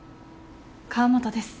河本です。